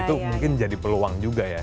itu mungkin jadi peluang juga ya